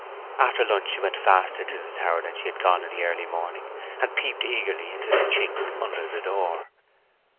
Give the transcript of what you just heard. After lunch she went faster to the tower than she had gone in the early morning, and peeped eagerly into the chink under the door.